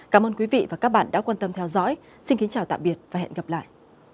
cảm ơn quý vị và các bạn đã quan tâm theo dõi xin kính chào tạm biệt và hẹn gặp lại